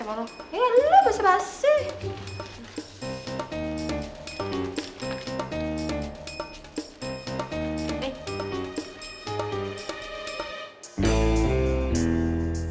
ya lu bahasa basis